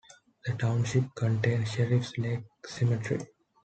The township contains Sheriff Lake Cemetery.